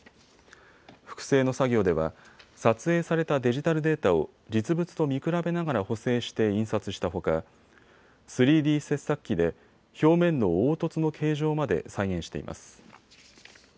複製の作業では撮影されたデジタルデータを実物と見比べながら補正して印刷したほか、３Ｄ切削機で表面の凹凸の形状まで再現しています。